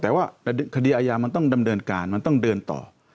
แต่ว่าคดีอายามันต้องดำเนินการมันต้องเดินต่อ